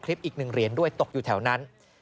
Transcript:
คลิปอีกหนึ่งเรียนด้วยตกอยู่แถวนั้น